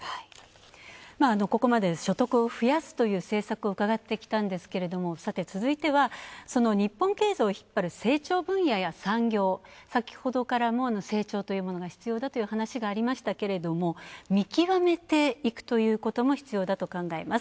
ここまで、所得を増やすという政策を伺ってきたんですけれど続いては、日本経済を引っ張る成長分野や産業、先ほどからも成長というものが必要だという話がありましたけども見極めていくということも必要だと考えます。